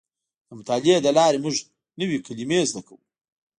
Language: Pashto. د مطالعې له لارې موږ نوې کلمې زده کوو.